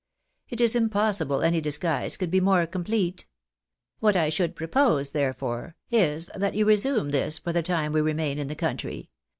It is impossible any dis guise could be more complete. What I should propose, therefore, is, that you resume this for the time we remain in the country.